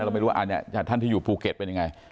เราไม่รู้ว่าท่านที่อยู่ภูเก็ตเป็นยังไง